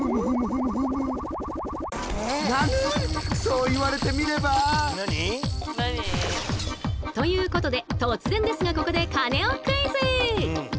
そうこちらの餃子店ということで突然ですがここでカネオクイズ！